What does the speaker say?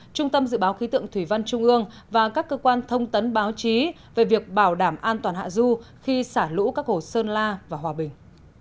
trung tâm dự báo khí tượng thủy văn trung ương và các cơ quan thông tấn báo chí về việc bảo đảm an toàn hạ du khi xả lũ các hồ sơn la và hòa bình